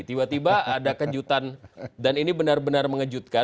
tiba tiba ada kejutan dan ini benar benar mengejutkan